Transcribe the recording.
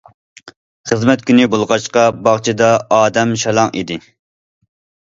خىزمەت كۈنى بولغاچقا، باغچىدا ئادەم شالاڭ ئىدى.